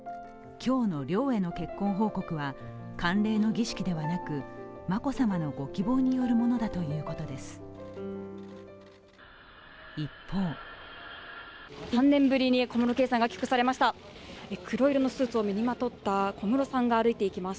今日の陵への結婚報告は慣例の儀式ではなく眞子さまのご希望によるものだということです。